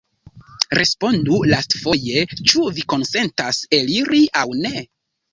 Respondu lastfoje, ĉu vi konsentas eliri aŭ ne?